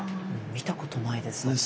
見たことないです私。